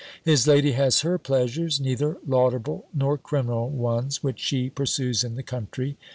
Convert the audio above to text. His lady has her pleasures, neither laudable nor criminal ones, which she pursues in the country.